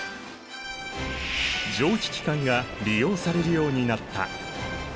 蒸気機関が利用されるようになった。